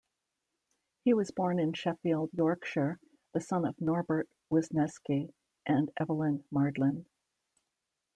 He was born in Sheffield, Yorkshire, the son of Norbert Wisniewski and Evelyn Mardlin.